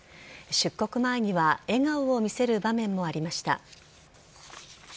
出国前には笑顔を見せる場面もありました。